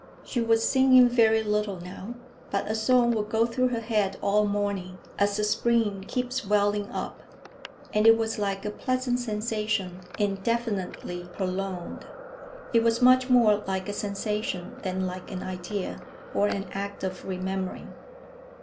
She was singing very little now, but a song would go through her head all morning, as a spring keeps welling up, and it was like a pleasant sensation indefinitely prolonged. It was much more like a sensation than like an idea, or an act of remembering.